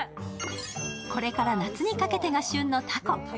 これから夏にかけてが旬のたこ。